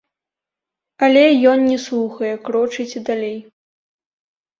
Але ён не слухае, крочыць далей.